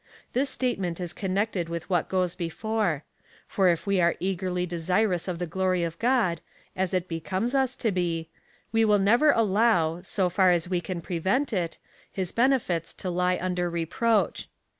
This statement is connected with what goes before ; for if we are eagerly desirous of the glory of God, as it becomes us to be, we will never allow, so far as we can prevent it, his benefits to lie under reproach.